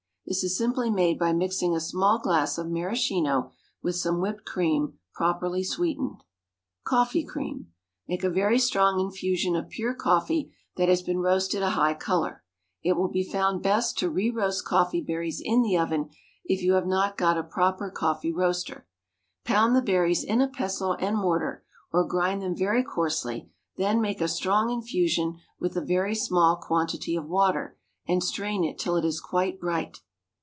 This is simply made by mixing a small glass of maraschino with some whipped cream, properly sweetened. COFFEE CREAM. Make a very strong infusion of pure coffee that has been roasted a high colour. It will be found best to re roast coffee berries in the oven if you have not got a proper coffee roaster. Pound the berries in a pestle and mortar, or grind them very coarsely; then make a strong infusion with a very small quantity of water, and strain it till it is quite bright.